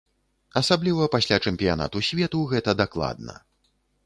Асабліва пасля чэмпіянату свету гэта дакладна.